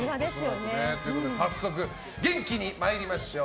早速、元気に参りましょう。